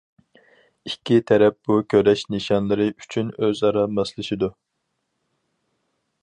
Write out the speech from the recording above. ئىككى تەرەپ بۇ كۈرەش نىشانلىرى ئۈچۈن ئۆزئارا ماسلىشىدۇ.